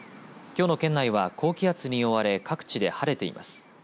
きょうの県内は高気圧に覆われ各地で晴れています。